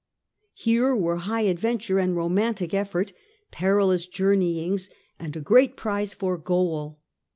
Here were high adventure and romantic effort, perilous journeyings and a great prize for goal.